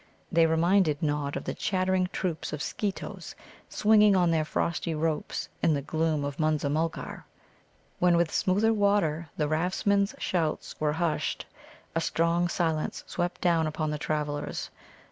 They reminded Nod of the chattering troops of Skeetoes swinging on their frosty ropes in the gloom of Munza mulgar. When with smoother water the raftsmen's shouts were hushed, a strange silence swept down upon the travellers.